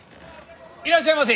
いらっしゃいませ！